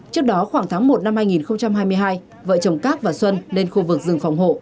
trước đó khoảng tháng một năm hai nghìn hai mươi hai vợ chồng các và xuân lên khu vực rừng phòng hộ